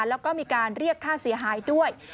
แล้วก็มีการเรียกค่าเสียหายด้วย